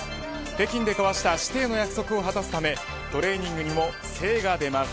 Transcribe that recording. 北京で交わした子弟の約束を果たすためトレーニングにも精が出ます。